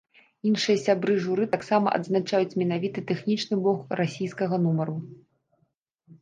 Іншыя сябры журы таксама адзначаюць менавіта тэхнічны бок расійскага нумару.